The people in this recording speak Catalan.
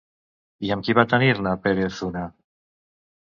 I amb qui va tenir-ne Pérez una?